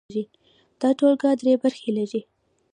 دا ټولګه درې برخې لري.